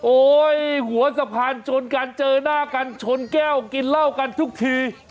หัวสะพานชนกันเจอหน้ากันชนแก้วกินเหล้ากันทุกที